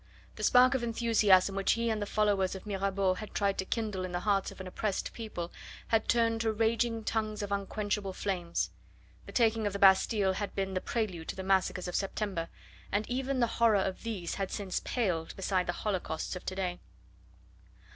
The spark of enthusiasm which he and the followers of Mirabeau had tried to kindle in the hearts of an oppressed people had turned to raging tongues of unquenchable flames. The taking of the Bastille had been the prelude to the massacres of September, and even the horror of these had since paled beside the holocausts of to day.